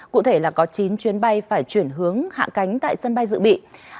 cụ thể là có chín chuyến bay phải chuyển hướng hạ cánh tại sân bay dự bị